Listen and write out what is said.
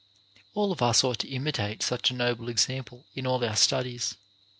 All of us ought to imitate such a noble example in all our studies.